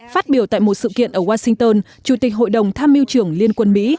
phát biểu tại một sự kiện ở washington chủ tịch hội đồng tham mưu trưởng liên quân mỹ